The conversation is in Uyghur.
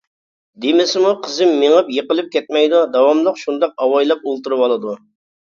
دېمىسىمۇ قىزىم مېڭىپ يىقىلىپ كەتمەيدۇ، داۋاملىق شۇنداق ئاۋايلاپ ئولتۇرۇۋالىدۇ.